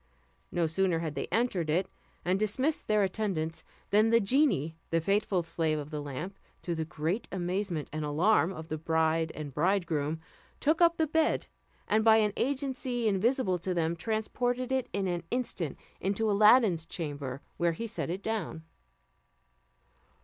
No sooner had they entered it, and dismissed their attendants, than the genie, the faithful slave of the lamp, to the great amazement and alarm of the bride and bridegroom, took up the bed, and by an agency invisible to them, transported it in an instant into Aladdin's chamber, where he set it down.